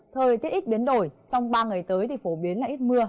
thời tiết ít biến đổi trong ba ngày tới thì phổ biến là ít mưa